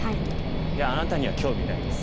「いやあなたには興味ないです。